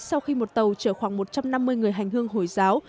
sau khi một tàu chở khoảng một trăm năm mươi người hành hương hồi giáo